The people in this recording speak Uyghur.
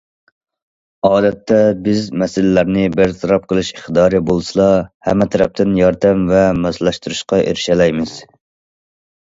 ئادەتتە، بىزدە مەسىلىلەرنى بىر تەرەپ قىلىش ئىقتىدارى بولسىلا، ھەممە تەرەپتىن ياردەم ۋە ماسلاشتۇرۇشقا ئېرىشەلەيمىز.